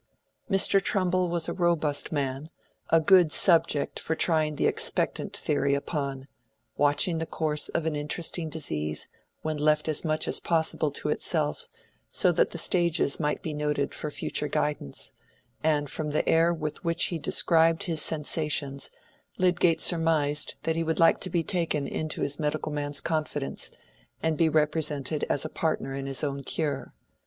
Mr Trumbull was a robust man, a good subject for trying the expectant theory upon—watching the course of an interesting disease when left as much as possible to itself, so that the stages might be noted for future guidance; and from the air with which he described his sensations Lydgate surmised that he would like to be taken into his medical man's confidence, and be represented as a partner in his own cure.